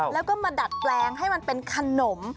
แล้วก็มาดัดแปลงให้มันเป็นขนม